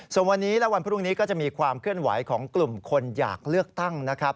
ส่วนวันนี้และวันพรุ่งนี้ก็จะมีความเคลื่อนไหวของกลุ่มคนอยากเลือกตั้งนะครับ